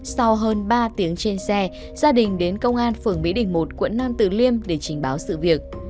sau hơn ba tiếng trên xe gia đình đến công an phường mỹ đình một quận nam tử liêm để trình báo sự việc